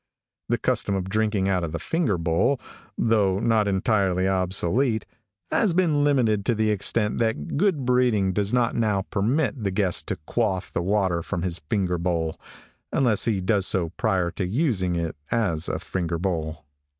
The custom of drinking out of the finger bowl, though not entirely obsolete, has been limited to the extent that good breeding does not now permit the guest to quaff the water from his finger howl, unless he does so prior to using it as a finger bowl.